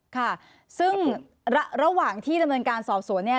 ค่ะซึ่งระหว่างที่ดำเนินการสอบสวนเนี่ย